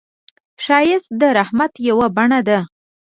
ښایست د رحمت یو بڼه ده